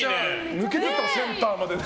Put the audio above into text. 抜けてった、センターまでね。